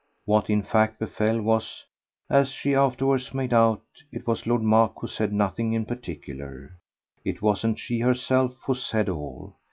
What in fact befell was that, as she afterwards made out, it was Lord Mark who said nothing in particular it was she herself who said all.